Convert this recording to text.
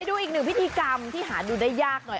ดูอีกหนึ่งพิธีกรรมที่หาดูได้ยากหน่อย